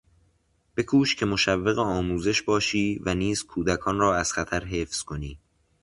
بکوش که مشوق آموزش باشی و نیز کودکان را از خطر حفظ کنی.